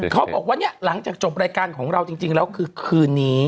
เขาบอกว่าเนี่ยหลังจากจบรายการของเราจริงแล้วคือคืนนี้